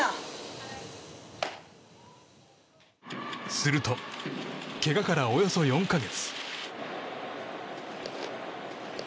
すると、けがからおよそ４か月。